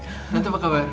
tante apa kabar